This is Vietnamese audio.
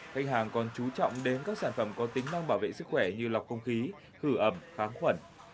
khách hàng còn chú trọng đến các sản phẩm có tính năng bảo vệ sức khỏe như lọc không khí khử ẩm kháng khuẩn